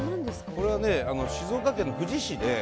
これは静岡県の富士市で。